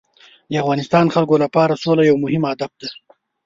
د افغانستان خلکو لپاره سوله یو مهم هدف دی.